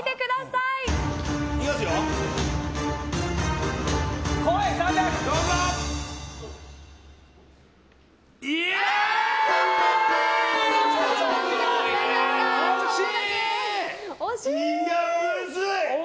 いや、むずい！